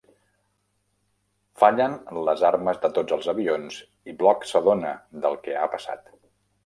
Fallen les armes de tots els avions i Block s'adona del que ha passat.